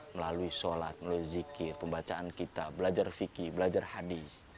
melalui sholat melalui zikir pembacaan kita belajar fikih belajar hadis